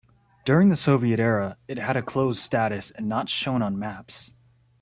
During the Soviet era, it had a closed status and not shown on maps.